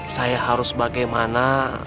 saya harus bagaimana